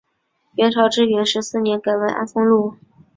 元朝至元十四年改为安丰路。